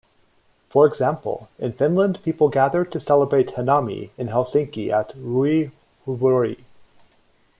For example, in Finland people gather to celebrate hanami in Helsinki at Roihuvuori.